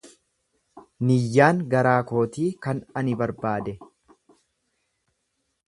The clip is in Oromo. Niyyaan garaa kootii kan ani barbaade.